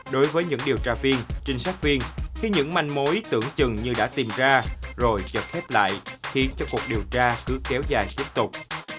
đối với những điều tra viên trinh sát viên khi những manh mối tưởng chừng như đã tìm ra rồi chật thép lại khiến cho cuộc điều tra cứ kéo dài tiếp tục